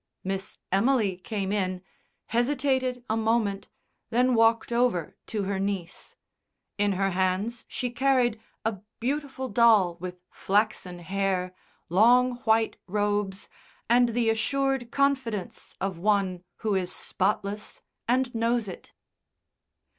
Miss Emily came in, hesitated a moment, then walked over to her niece. In her hands she carried a beautiful doll with flaxen hair, long white robes, and the assured confidence of one who is spotless and knows it.